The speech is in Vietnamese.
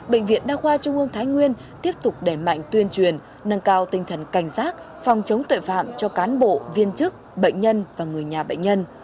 bệnh viện đa khoa trung ương thái nguyên tiếp tục đẩy mạnh tuyên truyền nâng cao tinh thần cảnh giác phòng chống tội phạm cho cán bộ viên chức bệnh nhân và người nhà bệnh nhân